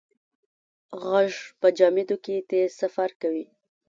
غږ په جامدو کې تېز سفر کوي.